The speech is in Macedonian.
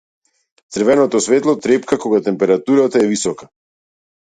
Црвеното светло трепка кога температурата е висока.